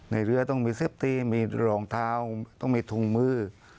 ในเรือต้องมีเซฟตี้มีรองเท้าต้องมีถุงมือ